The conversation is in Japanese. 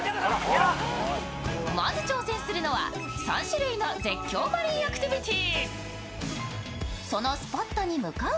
まず挑戦するのは、３種類の絶叫マリンアクティビティ。